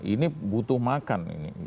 ini butuh makan ini